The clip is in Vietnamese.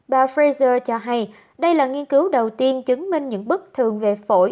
bà pfizer cho hay đây là nghiên cứu đầu tiên chứng minh những bức thường về phổi